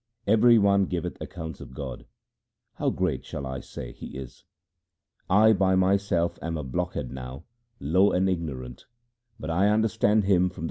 2 Every one giveth accounts of God ; how great shall I say He is? I by myself am a blockhead, low, and ignorant, but I understand Him from the Guru's description.